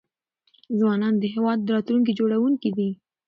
ځوانان د هيواد راتلونکي جوړونکي دي .